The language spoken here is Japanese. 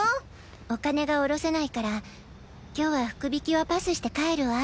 お金がおろせないから今日は福引はパスして帰るわ。